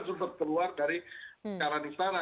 cukup keluar dari keadaan istana